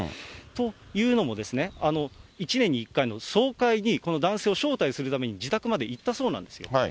というのも、１年に１回の総会にこの男性を招待するために自宅まで行ったそうなんですよ。